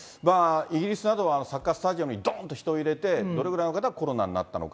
イギリスなどはサッカースタジアムにどんと人入れて、どれぐらいの方がコロナになったのか。